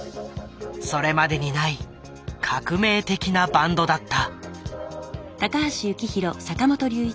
それまでにない革命的なバンドだった。